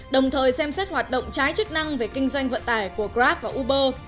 đồng thời xem xét hoạt động trái chức năng về kinh doanh vận tải của grab và uber